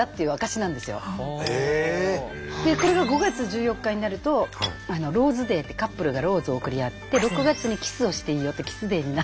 でこれが５月１４日になるとローズデーってカップルがローズを贈り合って６月にキスをしていいよっていうキスデーに。